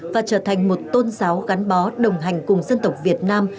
và trở thành một tôn giáo gắn bó đồng hành cùng dân tộc việt nam